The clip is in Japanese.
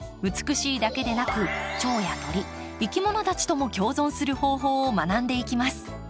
美しいだけでなくチョウや鳥いきものたちとも共存する方法を学んでいきます。